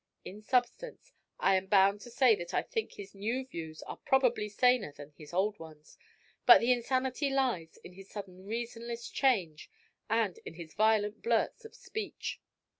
In substance, I am bound to say that I think his new views are probably saner than his old ones, but the insanity lies in his sudden reasonless change and in his violent blurts of speech.